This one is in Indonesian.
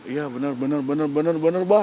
iya benar benar benar benar bang